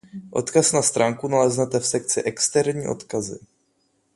Odkaz na stránku naleznete v sekci Externí odkazy.